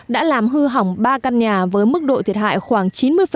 đã làm hư hỏng ba căn nhà với mức độ thiệt hại khoảng chín mươi